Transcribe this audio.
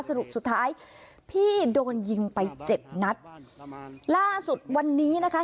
สรุปสุดท้ายพี่โดนยิงไปเจ็ดนัดล่าสุดวันนี้นะคะ